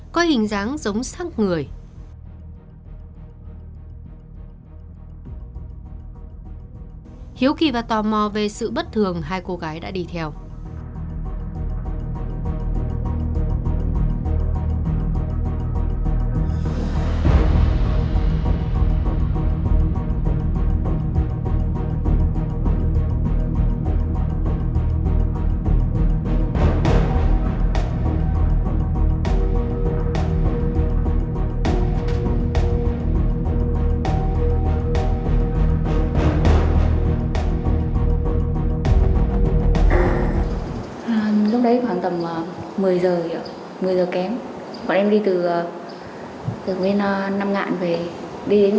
có hình dáng giống sát rắn